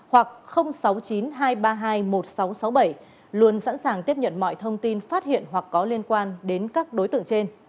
hoặc sáu mươi chín hai trăm ba mươi hai một nghìn sáu trăm sáu mươi bảy luôn sẵn sàng tiếp nhận mọi thông tin phát hiện hoặc có liên quan đến các đối tượng trên